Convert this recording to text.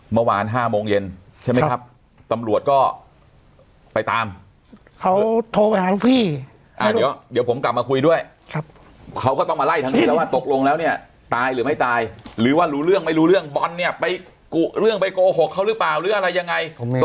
เมื่อวาน๕โมงเย็นใช่ไหมครับตำรวจก็ไปตามเขาโทรหาหลวงพี่เดี๋ยวผมกลับมาคุยด้วยเขาก็ต้องมาไล่ทางนี้แล้วว่าตกลงแล้วเนี่ยตายหรือไม่ตายหรือว่ารู้เรื่องไม่รู้เรื่องบอลเนี่ยไปกุเรื่องไปโกหกเขาหรือเปล่าหรืออะไรยังไง